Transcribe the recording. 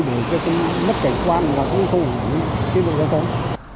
để cho mất cảnh quan và cũng thu hủy tiết lục giao thông